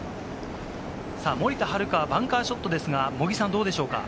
森田遥はバンカーショットですが、どうでしょうか？